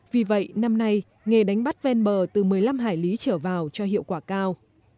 vì vậy năm nay nghề đánh bắt ven bờ từ một mươi năm hải lý trở vào cho hiệu quả cao